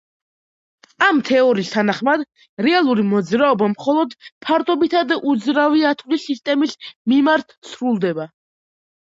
ამ თეორიის თანახმად, რეალური მოძრაობა მხოლოდ ფარდობითად უძრავი ათვლის სისტემის მიმართ სრულდება.